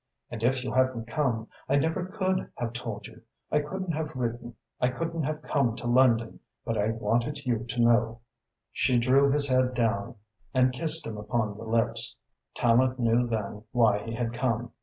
And if you hadn't come, I never could have told you. I couldn't have written. I couldn't have come to London. But I wanted you to know." She drew his head down and kissed him upon the lips. Tallente knew then why he had come.